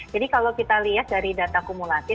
jadi kalau kita lihat dari data kumulasi